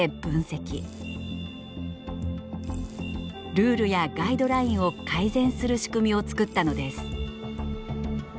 ルールやガイドラインを改善する仕組みを作ったのです。